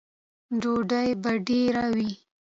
_ډوډۍ به ډېره وي؟